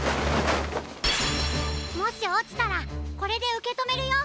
もしおちたらこれでうけとめるよ！